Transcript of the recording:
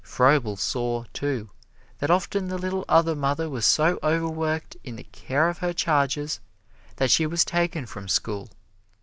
Froebel saw, too, that often the little other mother was so overworked in the care of her charges that she was taken from school.